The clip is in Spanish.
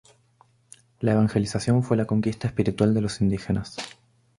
La evangelización fue la conquista espiritual de los indígenas.